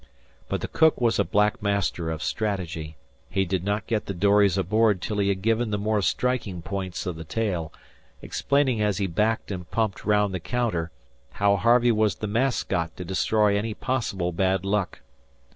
But the cook was a black; master of strategy. He did not get the dories aboard till he had given the more striking points of the tale, explaining as he backed and bumped round the counter how Harvey was the mascot to destroy any possible bad luck.